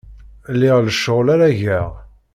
Liɣ lecɣal ara geɣ.